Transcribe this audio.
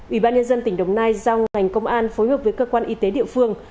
ủy ban nhân dân tỉnh đồng nai giao ngành công an phối hợp với cơ quan y tế địa phương